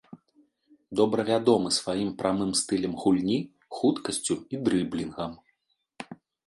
Добра вядомы сваім прамым стылем гульні, хуткасцю і дрыблінгам.